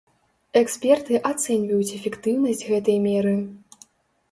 Эксперты ацэньваюць эфектыўнасць гэтай меры.